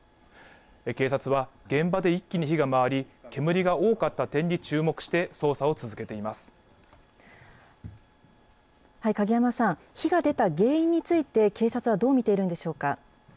警察は、現場で一気に火が回り、煙が多かった点に注目して捜査を続けてい影山さん、火が出た原因について、警察はどう見ているんでしょうか。